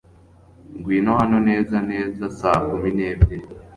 Ngwino hano neza neza saa kumi n'ebyiri.